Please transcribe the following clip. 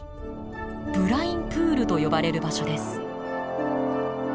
ブラインプールと呼ばれる場所です。